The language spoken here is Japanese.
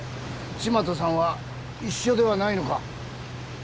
千万太さんは一緒ではないのか？